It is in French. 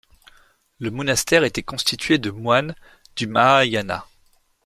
Le monastère était constitué de moines du Mahayana.